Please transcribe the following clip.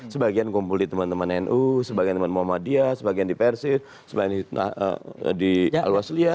sebagian kumpul di teman teman nu sebagian teman muhammadiyah sebagian di persis sebagian di al wasliyah